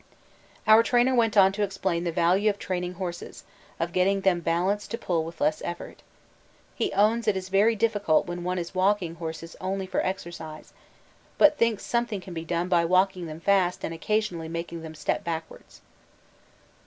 Our trainer went on to explain the value of training horses, of getting them 'balanced' to pull with less effort. He owns it is very difficult when one is walking horses only for exercise, but thinks something can be done by walking them fast and occasionally making them step backwards.